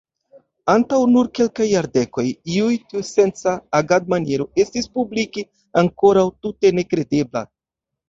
Antaŭ nur kelkaj jardekoj, iu tiusenca agadmaniero estis publike ankoraŭ tute nekredebla.